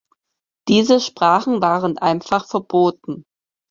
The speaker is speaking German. Diese Sprachen waren einfach verboten.